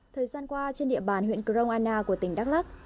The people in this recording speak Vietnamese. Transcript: thời gian qua trên địa bàn huyện grongana của tỉnh đắk lắc